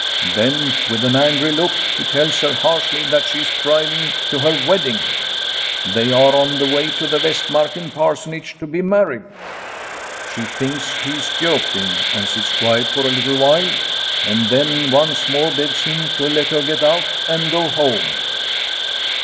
Then with an angry look he tells her harshly that she is driving to her wedding. They are on the way to the Vastmarken Parsonage to be married. She thinks he is joking and sits quiet for a little while, and then once more begs him to let her get out and go home.